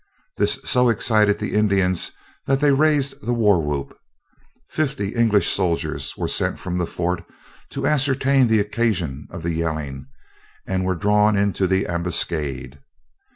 This so excited the Indians that they raised the war whoop. Fifty English soldiers were sent from the fort to ascertain the occasion of the yelling, and were drawn into the ambuscade.